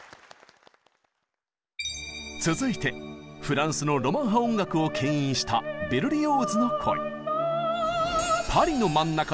続いてフランスのロマン派音楽をけん引したベルリオーズの恋。